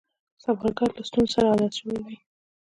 سوالګر له ستونزو سره عادت شوی وي